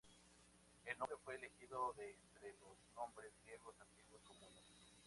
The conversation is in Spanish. El nombre fue elegido de entre los nombres griegos antiguos comunes.